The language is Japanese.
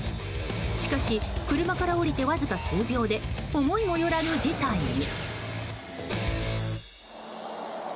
しかし車から降りてわずか数秒で思いもよらぬ事態に。